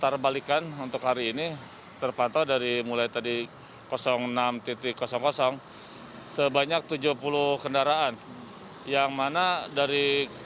rata rata itu berapa per hari